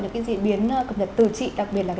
những diễn biến cập nhật từ chị đặc biệt là